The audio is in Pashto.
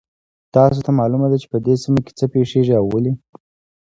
تاسو ته معلومه ده چې په دې سیمه کې څه پېښیږي او ولې